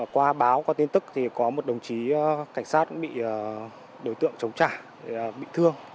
qua báo qua tin tức thì có một đồng chí cảnh sát bị đối tượng chống trả bị thương